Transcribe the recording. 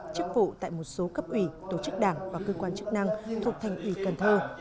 chức vụ tại một số cấp ủy tổ chức đảng và cơ quan chức năng thuộc thành ủy cần thơ